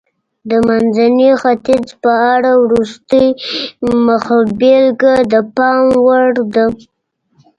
د منځني ختیځ په اړه وروستۍ مخبېلګه د پام وړ ده.